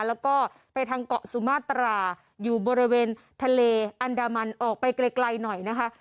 แล้วก็ไปทางเกาะสุมาตราอยู่บริเวณทะเลอันดามันออกไปไกลหน่อยนะคะ